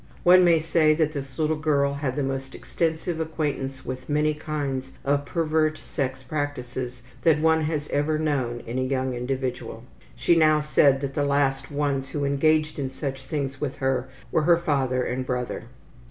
One may say that this little girl had the most extensive acquaintance with many kinds of pervert sex practices that one has ever known in a young individual. She now said that the last ones who engaged in such things with her were her father and brother.